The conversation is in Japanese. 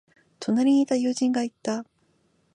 隣にいた友人が言った。